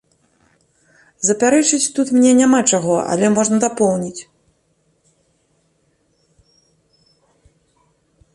Запярэчыць тут мне няма чаго, але можна дапоўніць.